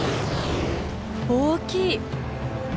大きい！